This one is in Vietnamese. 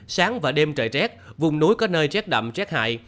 sáng và đêm trời rét vùng núi có nơi rét đậm rét hại